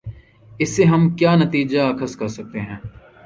اس سے ہم کیا نتیجہ اخذ کر سکتے ہیں۔